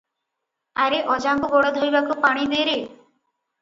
ଆରେ ଅଜାଙ୍କୁ ଗୋଡ଼ ଧୋଇବାକୁ ପାଣି ଦେ ରେ ।